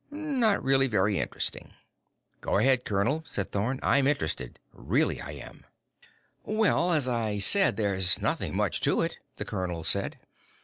Not really very interesting." "Go ahead, colonel," said Thorn. "I'm interested. Really I am." "Well, as I said, there's nothing much to it," the colonel said.